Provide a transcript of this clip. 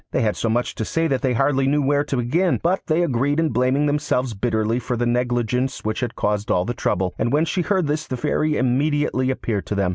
They had so much to say that they hardly knew where to begin, but they agreed in blaming themselves bitterly for the negligence which had caused all their trouble; and when she heard this the Fairy immediately appeared to them.